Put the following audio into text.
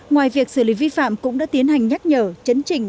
ngoài việc xử lý vi phạm cũng đã tiến hành nhắc nhở chấn trình